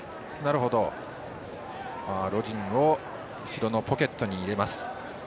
ロジンを後ろのポケットに入れます。